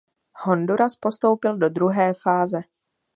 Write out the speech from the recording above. Honduras postoupil do druhé fáze.